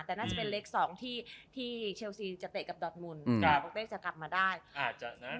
แต่น่าจะเป็นเลขสองที่ที่เชลซีจะเตะกับดอดมุนแต่บอกได้จะกลับมาได้อาจจะนะ